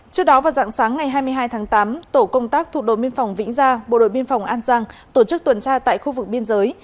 trước đó vào dạng sáng ngày hai mươi hai tháng tám tổ công tác thuộc đội biên phòng vĩnh gia bộ đội biên phòng an giang tổ chức tuần tra tại khu vực biên giới